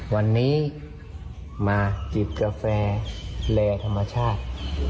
วันนี้มาจิบกาแฟแลธรรมชาติ